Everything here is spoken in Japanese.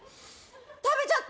食べちゃった！